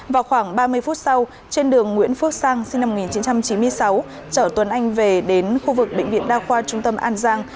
vào khoảng ba mươi phút sau trên đường nguyễn phước sang sinh năm một nghìn chín trăm chín mươi sáu chở tuấn anh về đến khu vực bệnh viện đa khoa trung tâm an giang